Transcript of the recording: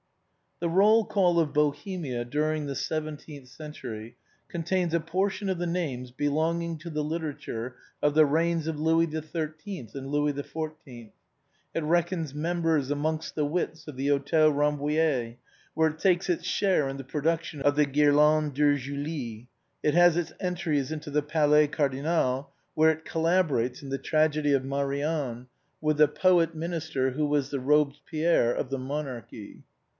The roll call of Bohemia during the seventeenth century contains a portion of the names belonging to the literature of the reigns of Louis XIIT. and Louis XIV., it reckons members amongst the wits of the Hôtel Rambouillet, where it takes its share in the production of the " Guirlande de ORIGINAL PREFACE. XXXV Julie/' it has its entries into the Palais Cardinal, where it collaborates, in the tragedy of " Marianne," with the poet minister who was the Robespierre of the monarchy.